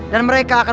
dan mereka akan